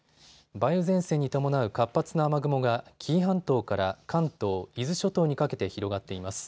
梅雨前線に伴う活発な雨雲が紀伊半島から関東、伊豆諸島にかけて広がっています。